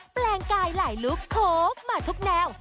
แปลงกายหลายลุคโค้ฟมาทุกแนว